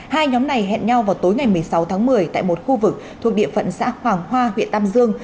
hai nhóm này hẹn nhau vào tối ngày một mươi sáu tháng một mươi tại một khu vực thuộc địa phận xã hoàng hoa huyện tam dương